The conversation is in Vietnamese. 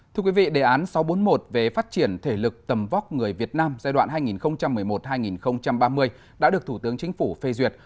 thưa quý vị đề án sáu trăm bốn mươi một về phát triển thể lực tầm vóc người việt nam giai đoạn hai nghìn một mươi một hai nghìn ba mươi đã được thủ tướng chính phủ phê duyệt